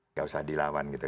tidak usah dilawan gitu